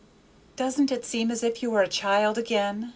"Doesn't it seem as if you were a child again?"